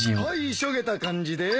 しょげた感じで。